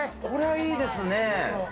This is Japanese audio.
これはいいですね。